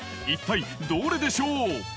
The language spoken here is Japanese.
一体どれでしょう。